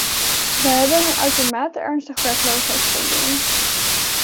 Wij hebben een uitermate ernstig werkloosheidsprobleem.